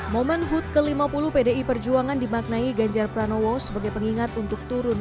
hai momen hood ke lima puluh pdi perjuangan dimaknai ganjar pranowo sebagai pengingat untuk turun